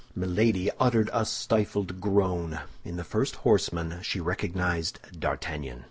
Milady uttered a stifled groan. In the first horseman she recognized D'Artagnan.